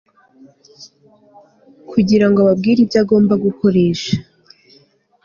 kugira ngo ababwire ibyo bagomba gukoresha